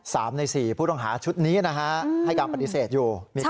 สามในสี่ผู้ต้องหาชุดนี้นะคะให้การปฏิเสธอยู่ใช่ค่ะ